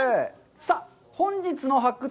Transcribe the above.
さあ、本日の「発掘！